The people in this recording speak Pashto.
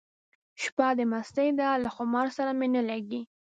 شپه د مستۍ ده له خمار سره مي نه لګیږي